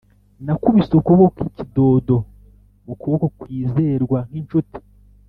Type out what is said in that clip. nakubise ukuboko nk'ikidodo mu kuboko kwizerwa k'inshuti.